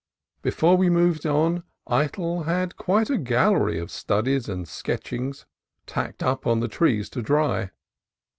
Before we moved on, Eytel had quite a gallery of studies and sketches tacked up on the trees to dry.